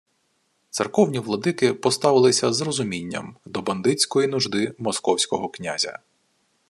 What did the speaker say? Церковні владики поставилися з розумінням до бандитської нужди московського князя